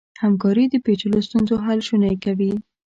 همکاري د پېچلو ستونزو حل شونی کوي.